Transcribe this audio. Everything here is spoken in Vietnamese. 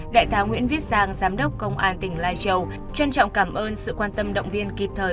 đại tá nguyễn viết sang giám đốc công an tỉnh lai châu trân trọng cảm ơn sự quan tâm động viên kịp thời